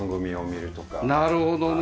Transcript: なるほどね。